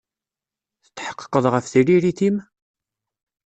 Tetḥeqqeḍ ɣef tririt-im?